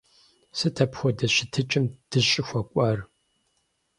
Сыт апхуэдэ щытыкӀэм дыщӀыхуэкӀуар?